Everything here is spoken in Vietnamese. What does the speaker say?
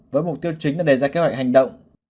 với mục tiêu chính là đề ra kế hoạch hành động